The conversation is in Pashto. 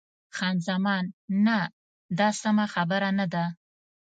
خان زمان: نه، دا سمه خبره نه ده.